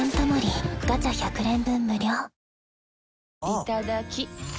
いただきっ！